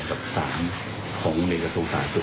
กับ๓ของอเมริกาศูนย์ศาสตร์สุด